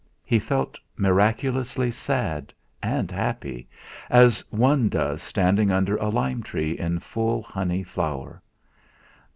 He felt miraculously sad and happy, as one does, standing under a lime tree in full honey flower.